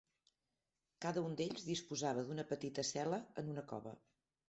Cada un d'ells disposava d'una petita cel·la en una cova.